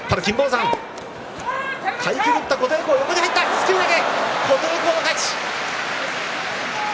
すくい投げ、琴恵光の勝ち。